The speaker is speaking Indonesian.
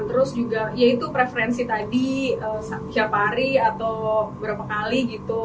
terus juga ya itu preferensi tadi tiap hari atau berapa kali gitu